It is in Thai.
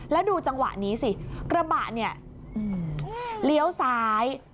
แล้วดูจังหวะนี้สิกระบะเนี่ยเลี้ยวซ้าย